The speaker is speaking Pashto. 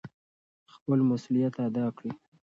خپل مسؤلیت ادا کړئ.